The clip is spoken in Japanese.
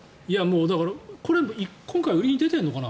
だから、今回これ売りに出てるのかな？